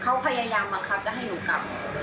เขาพยายามบังคับจะให้หนูกลับ